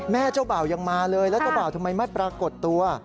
เจ้าบ่าวยังมาเลยแล้วเจ้าบ่าวทำไมไม่ปรากฏตัว